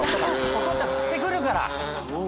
お父さんが釣ってくるから。